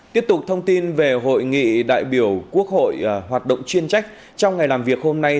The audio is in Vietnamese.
tiếp tục thông tin về hội nghị đại biểu quốc hội hoạt động chuyên trách trong ngày làm việc hôm nay